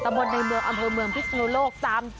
บนในเมืองอำเภอเมืองพิศนุโลกจำ